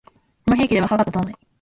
この兵器では歯が立たない